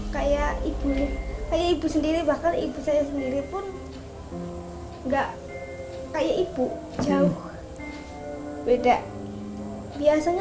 kayak ibu kayak ibu sendiri bahkan ibu saya sendiri pun enggak kayak ibu jauh beda biasanya